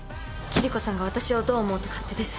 キリコさんが私をどう思おうと勝手です。